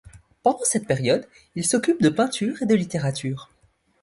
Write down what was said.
Pendant cette période, il s'occupe de peinture et de littérature.